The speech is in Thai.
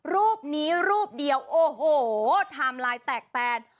รูปนี้รูปเดียวโอ้โหไทม์ไลน์แตกแตน